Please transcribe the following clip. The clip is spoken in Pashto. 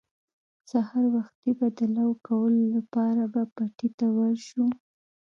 سهار وختي به د لو کولو لپاره به پټي ته ور شو.